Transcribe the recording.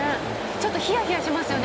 ちょっとヒヤヒヤしますよね